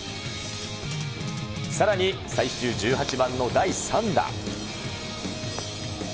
さらに最終１８番の第３打。